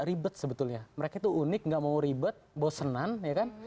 enggak ribet sebetulnya mereka itu unik enggak mau ribet bosenan ya kan